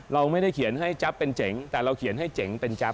เราไม่ได้เขียนให้จั๊บเป็นเจ๋งแต่เราเขียนให้เจ๋งเป็นจั๊บ